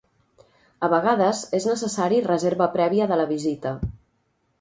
A vegades és necessari reserva prèvia de la visita.